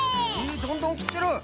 どんどんきってる！